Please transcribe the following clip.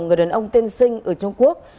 người đàn ông tên sinh ở trung quốc